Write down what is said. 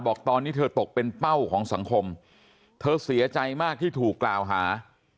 บอกตอนนี้เธอตกเป็นเป้าของสังคมเธอเสียใจมากที่ถูกกล่าวหา